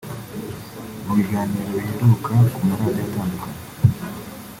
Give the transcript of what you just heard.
Mu biganiro biheruka ku ma radiyo atandukanye